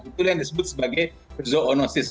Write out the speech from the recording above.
itulah yang disebut sebagai zoonosis